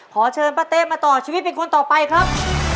ขอเชิญป้าเต้มาต่อชีวิตเป็นคนต่อไปครับ